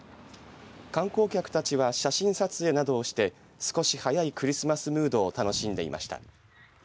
観光客たちは写真撮影などして少し早いクリスマスムードを楽しんでいました。